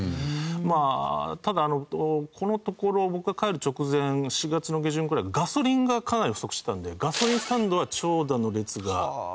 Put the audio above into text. まあただこのところ僕が帰る直前４月の下旬くらいガソリンがかなり不足してたのでガソリンスタンドは長蛇の列ができてましたね。